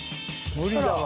無理だわ。